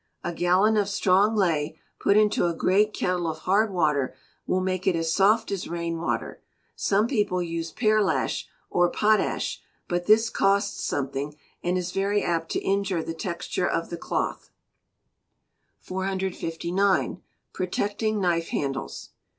A gallon of strong ley, put into a great kettle of hard water, will make it as soft as rain water. Some people use pearlash, or potash; but this costs something, and is very apt to injure the texture of the cloth. 459. Protecting Knife Handles.